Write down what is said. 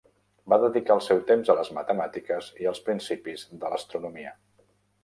Va dedicar el seu temps a les matemàtiques i als principis de l'astronomia.